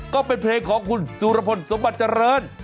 ก็เป็นเพลงของคุณสุรพลสมบัติเจริญ